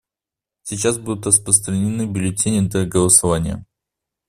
Сейчас будут распространены бюллетени для голосования.